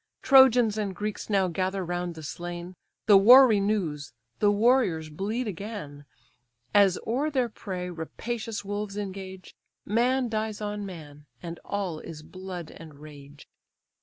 Trojans and Greeks now gather round the slain; The war renews, the warriors bleed again: As o'er their prey rapacious wolves engage, Man dies on man, and all is blood and rage.